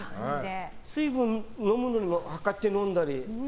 水分飲むのにも量って飲んだり。